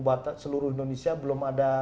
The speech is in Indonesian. buat seluruh indonesia belum ada